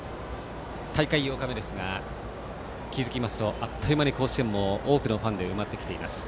大会８日目ですが気付きますとあっという間に甲子園も多くのファンで埋まってきています。